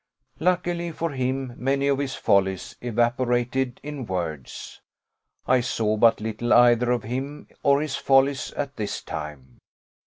Luckily for him, many of his follies evaporated in words. I saw but little either of him or his follies at this time.